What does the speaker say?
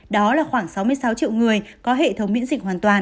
đó là khoảng sáu mươi sáu triệu người có hệ thống miễn dịch hoàn toàn